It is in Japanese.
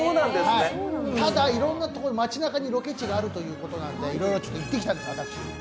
ただ、いろんな町なかにロケ地があるということで行ってきたんです、私。